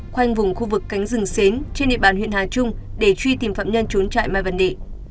khoanh vùng khu vực cánh rừng xến trên địa bàn huyện hà trung để truy tìm phạm nhân trốn trại mai văn đệ